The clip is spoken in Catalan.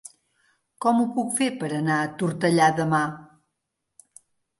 Com ho puc fer per anar a Tortellà demà?